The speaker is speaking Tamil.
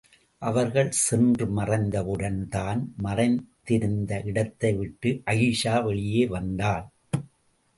அவர்கள் சென்று மறைந்தவுடன், தான் மறைந்திருந்த இடத்தைவிட்டு அயீஷா வெளியே வந்தாள்.